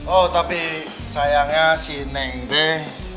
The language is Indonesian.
oh tapi sayangnya si neng teh